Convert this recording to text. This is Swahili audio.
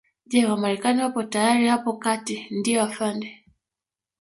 Je Wamarekani wapo tayari hapo kati ndio afande